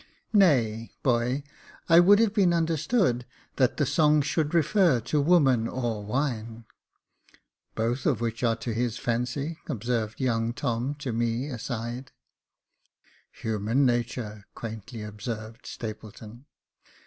J.F. Q 242 Jacob Faithful " Nay, boy, I would have been understood that the song should refer to woman or wine." " Both of which are to his fancy," observed young Tom to me, aside. " Human natur^'' quaintly observed Stapleton.